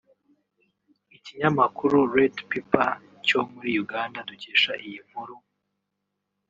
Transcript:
Ikinyamakuru Redpepper cyo muri Uganda dukesha iyi nkuru